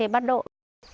đồng đất đồng ca